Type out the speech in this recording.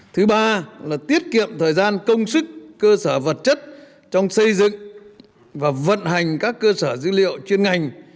thứ ba là tiết kiệm thời gian công sức cơ sở vật chất trong xây dựng và vận hành các cơ sở dữ liệu chuyên ngành